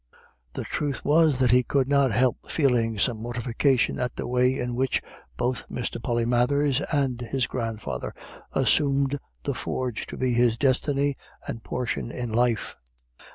The truth was that he could not help feeling some mortification at the way in which both Mr. Polymathers and his grandfather assumed the forge to be his destiny and portion in life.